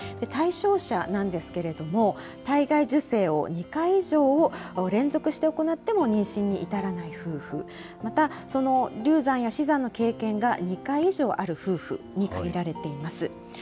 対象者なんですけれども、体外受精を２回以上連続して行っても妊娠に至らない夫婦、また、流産や死産の経験が２回以上ある夫婦に限られています。